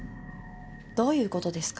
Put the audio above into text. どういう事ですか？